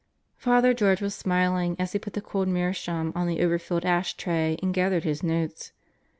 Father George was smiling as he put the cold meerschaum on the overfilled ash tray and gathered his notes.